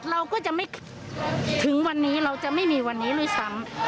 เราก็จะไม่ถึงวันนี้เราจะไม่มีวันนี้ด้วยซ้ำ